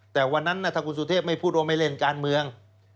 แต่วันนั้นถ้าคุณสุเทพไม่พูดว่าไม่เล่นการเมือง